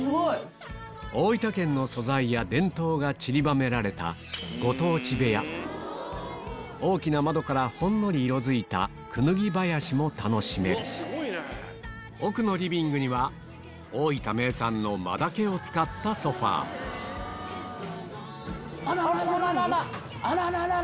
大分県の素材や伝統がちりばめられた大きな窓からほんのり色づいた奥のリビングには大分名産のマダケを使ったソファあらららら！